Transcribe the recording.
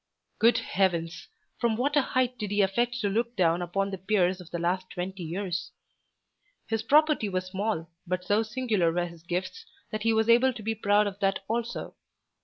Good heavens! From what a height did he affect to look down upon the peers of the last twenty years. His property was small, but so singular were his gifts that he was able to be proud of that also.